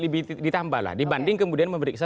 lebih ditambah lah dibanding kemudian memeriksa